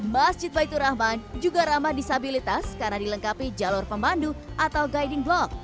masjid baitur rahman juga ramah disabilitas karena dilengkapi jalur pemandu atau guiding block